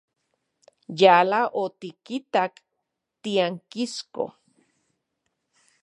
Yala otikitak tiankisko.